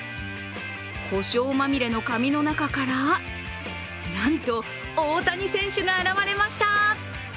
こしょうまみれの紙の中からなんと大谷選手が現れました。